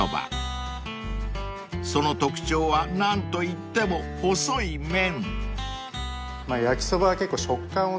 ［その特徴は何といっても細い麺］